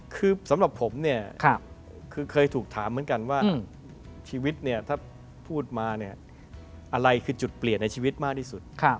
คือสำหรับผมเนี่ยคือเคยถูกถามเหมือนกันว่าชีวิตเนี่ยถ้าพูดมาเนี่ยอะไรคือจุดเปลี่ยนในชีวิตมากที่สุด